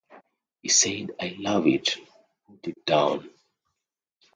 He said, 'I love it, put it down.